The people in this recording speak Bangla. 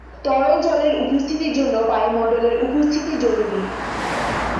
তরল জলের উপস্থিতির জন্য বায়ুমণ্ডলের উপস্থিতি জরুরী।